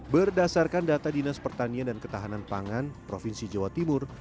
berdasarkan data dinas pertanian dan ketahanan pangan provinsi jawa timur